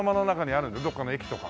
どっかの駅とか。